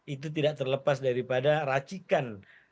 itu tidak terlepas daripada racikan